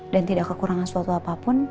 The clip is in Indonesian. dan tidak kekurangan suatu apapun